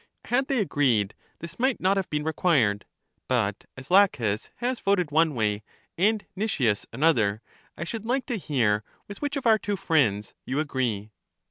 Had they agreed, this might not have been required. But as Laches has voted one way and Nicias another, I should like to hear with which of our two friends you agree.